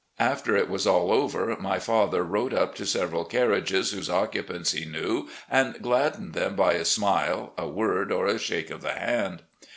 After it was all over, my father rode up to several carriages whose occupants he knew and gladdened them by a smile, a word, or a shake of the hand.